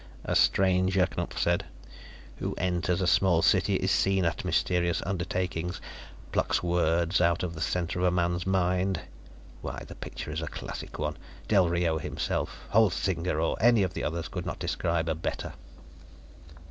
"A stranger," Knupf said, "who enters a small city, is seen at mysterious undertakings, plucks words out of the center of a man's mind ... why, the picture is a classic one. Del Rio himself, Holzinger or any of the others could not describe a better."